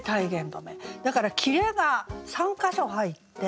だから切れが３か所入って。